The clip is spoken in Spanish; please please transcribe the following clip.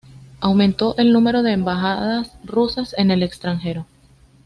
Aumentó el número de embajadas rusas en el extranjero.